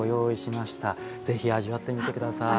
ぜひ味わってみて下さい。